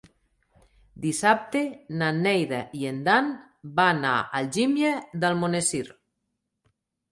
Dissabte na Neida i en Dan van a Algímia d'Almonesir.